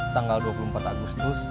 tanggal dua puluh empat agustus